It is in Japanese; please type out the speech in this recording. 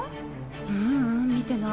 ううん見てない。